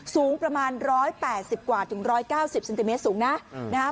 สูงประมาณร้อยแปดสิบกว่าถึงร้อยเก้าสิบสินติเมตรสูงนะอืมนะฮะ